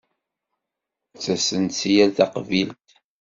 Ttasen-d si yal taqbilt.